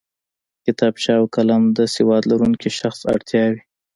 کتابچه او قلم د سواد لرونکی شخص اړتیا وي